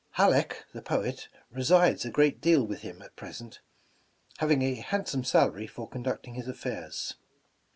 Halleck, the poet, resides a great deal with him at present, having a handsome salary for conducting his affairs.